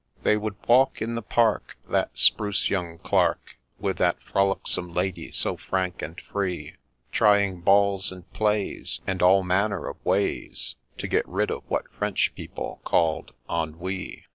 They would walk in the park, that spruce young Clerk, With that frolicsome Lady so frank and free, Trying balls and plays, and all manner of ways, To get rid of what French people called Ennui.